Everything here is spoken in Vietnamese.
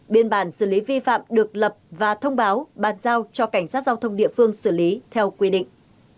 biên bản xử lý vi phạm được lập và thông báo bàn giao cho cảnh sát giao thông địa phương xử lý theo quy định